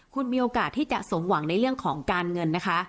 คุณมีโอกาสที่จะสมหวังในเรื่องของการเงินนะคะ